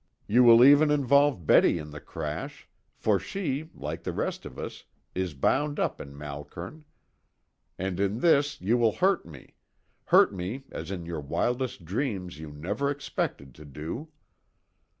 You will even involve Betty in the crash, for she, like the rest of us, is bound up in Malkern. And in this you will hurt me hurt me as in your wildest dreams you never expected to do."